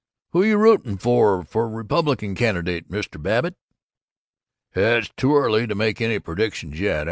"Who you rootin' for for Republican candidate, Mr. Babbitt?" "It's too early to make any predictions yet.